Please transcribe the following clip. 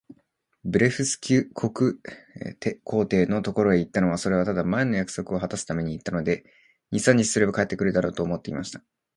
ブレフスキュ国皇帝のところへ行ったのは、それはただ、前の約束をはたすために行ったので、二三日すれば帰って来るだろう、と思っていました。